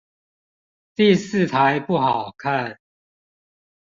第四台不好看